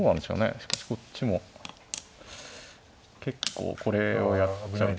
しかしこっちも結構これをやっちゃうと。